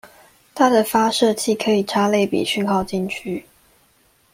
它的發射器可以插類比訊號進去